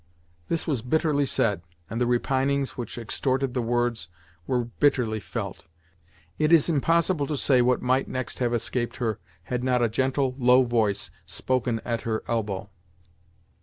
This was bitterly said, and the repinings which extorted the words were bitterly felt. It is impossible to say what might next have escaped her had not a gentle, low voice spoken at her elbow.